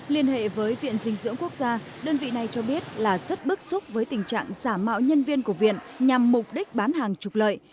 liên hệ với viện dinh dưỡng quốc gia đơn vị này cho biết là rất bức xúc với tình trạng giả mạo nhân viên của viện nhằm mục đích bán hàng trục lợi